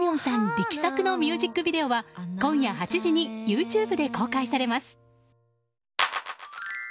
力作のミュージックビデオは今夜８時にＹｏｕＴｕｂｅで公開されます。